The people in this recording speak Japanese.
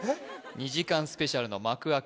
２時間スペシャルの幕開け